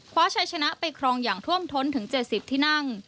คว้าชัยชนะไปครองอย่างท่วมท้นถึง๗๐ที่นั่ง